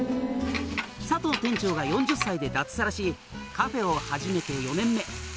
「佐藤店長が４０歳で脱サラしカフェを始めて４年目」